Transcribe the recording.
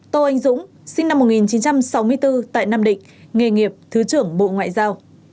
tô anh dũng sinh năm một nghìn chín trăm sáu mươi bốn tại nam định nghề nghiệp thứ trưởng bộ ngoại giao